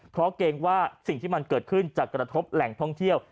เพราะเกรงว่าสิ่งที่มันเกิดขึ้นจะกระทบแหล่งท่องเที่ยว